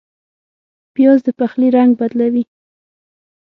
پیاز د پخلي رنګ بدلوي